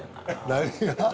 何が？